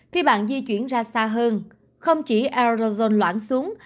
khi bạn di chuyển ra xa hơn không chỉ arizona loãng xuống